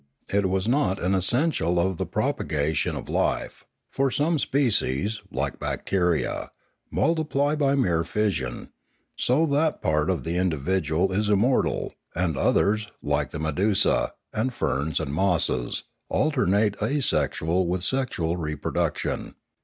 It was not an essential of the propagation of life; for some species, like bacteria, multiply by mere fission, so that part of the individual is immortal, and others, like the medusae, and ferns, and mosses, alternate asexual with sexual reproduction.